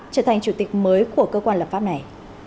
trở thành chủ tịch mới của cơ quan lập pháp này